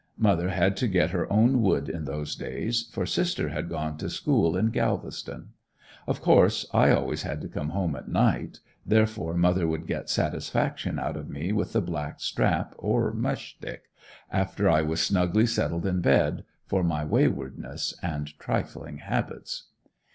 Mother had to get her own wood in those days, for sister had gone to school in Galveston. Of course I always had to come home at night, therefore mother would get satisfaction out of me with the black strap or mush stick, after I was snugly settled in bed, for my waywardness and trifling habits.